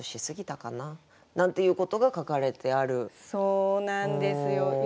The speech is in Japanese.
そうなんですよ。